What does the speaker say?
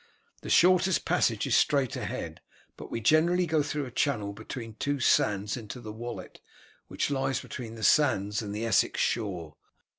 The shortest passage is straight ahead, but we generally go through a channel between two sands into the Wallet, which lies between the sands and the Essex shore.